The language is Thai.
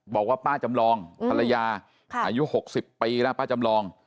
บอกว่าป้าจำรองธรรยาค่ะอายุหกสิบปีแล้วป้าจำรอง